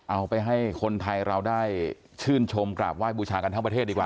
เอาไปให้คนไทยเราได้ชื่นชมกราบไหว้บูชากันทั้งประเทศดีกว่า